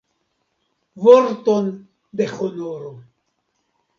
Vorton de honoro!